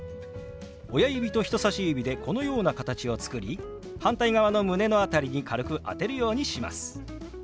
親指と人さし指でこのような形を作り反対側の胸の辺りに軽く当てるようにします。